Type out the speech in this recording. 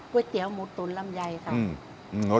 ก๋วยเตี๋ยวหมูตุ๋นลำไยครับ